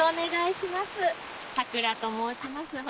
さくらと申します。